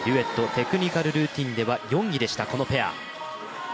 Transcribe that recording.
テクニカルルーティンでは４位でした、このペア。